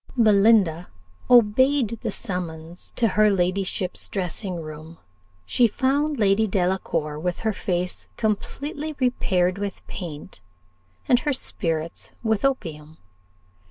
Belinda obeyed the summons to her ladyship's dressing room: she found Lady Delacour with her face completely repaired with paint, and her spirits with opium.